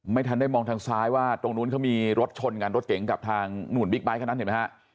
ไม่ทันได้มองทางซ้ายว่าตรงนู้นเขามีรถชนกันรถเก๋งกับทางนู่นบิ๊กไบท์คันนั้นเห็นไหมฮะ